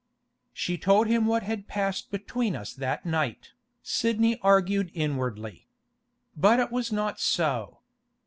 'She told him what passed between us that night,' Sidney argued inwardly. But it was not so.